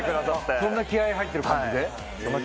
そんな気合入ってる感じで？